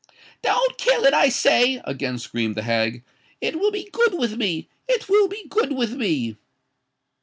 "Don't kill it, I say!" again screamed the hag: "it will be good with me—it will be good with me."